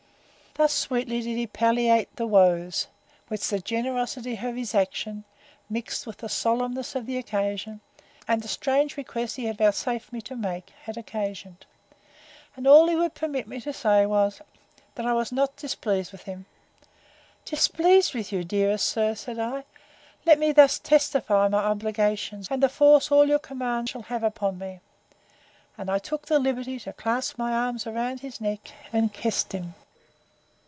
Thus sweetly did he palliate the woes, which the generosity of his actions, mixed with the solemness of the occasion, and the strange request he had vouchsafed to make me, had occasioned. And all he would permit me to say, was, that I was not displeased with him!—Displeased with you, dearest sir! said I: Let me thus testify my obligations, and the force all your commands shall have upon me. And I took the liberty to clasp my arms about his neck, and kissed him.